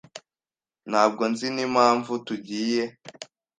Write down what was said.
Ntabwo nzi n'impamvu tugiye.